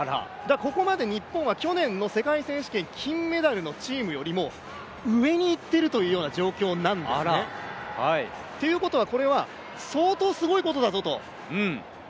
ここまで日本は去年の世界選手権金メダルのチームよりも上にいっているという状況なんですね。ということは、これは相当すごいことだぞと。